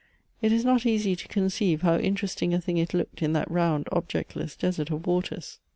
It is not easy to conceive, how interesting a thing it looked in that round objectless desert of waters.